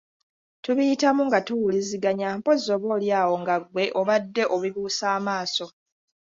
Tubiyitamu nga tuwuliziganya mpozzi oboolyawo nga ggwe obadde obibuusa amaaso.